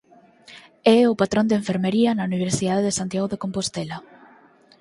É o patrón de Enfermería na Universidade de Santiago de Compostela.